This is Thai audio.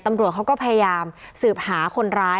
ตำรวจเขาก็พยายามสืบหาคนร้าย